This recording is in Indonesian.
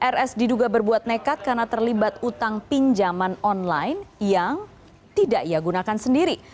rs diduga berbuat nekat karena terlibat utang pinjaman online yang tidak ia gunakan sendiri